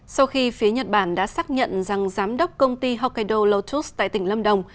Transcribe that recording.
sau khi phía nhật bản đã xác nhận rằng giám đốc công ty hokkaido lotus tại tỉnh lâm đồng